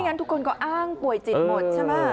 งั้นทุกคนก็อ้างป่วยจิตหมดใช่ไหม